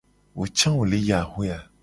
Wo ca wo le yi axue a ?